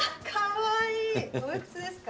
おいくつですか？